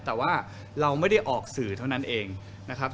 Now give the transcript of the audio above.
แต่ว่าเราไม่ได้ออกสื่อเท่านั้นเองนะครับ